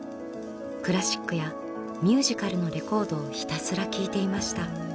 クラシックやミュージカルのレコードをひたすら聴いていました。